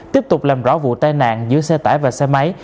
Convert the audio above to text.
tiếp tục làm rõ vụ tai nạn giữa xe tải và xe máy